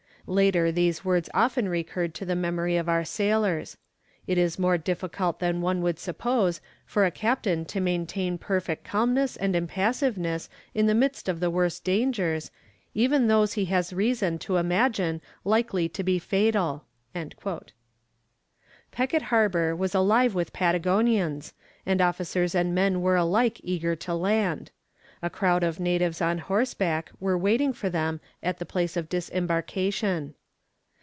Later these words often recurred to the memory of our sailors. It is more difficult than one would suppose for a captain to maintain perfect calmness and impassiveness in the midst of the worst dangers, even those he has reason to imagine likely to be fatal." Peckett Harbour was alive with Patagonians, and officers and men were alike eager to land. A crowd of natives on horseback were waiting for them at the place of disembarkation.